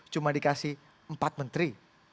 cuma dikasih empat menteri